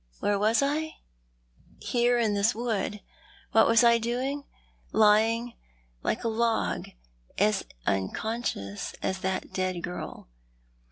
113 "Where was I? Here, in this wood. What was I doing? Lying like a log— as unconscious as that dead girl.